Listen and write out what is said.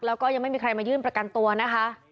แล้วก็ยังไม่มีใครมายื่นประกันตัวนะคะ